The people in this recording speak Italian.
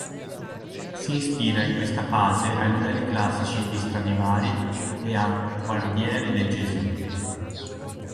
Si ispira in questa fase ai modelli classici di Stradivari e Guarneri del Gesù.